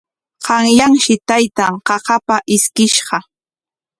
Qanyanshi taytan qaqapa ishkishqa.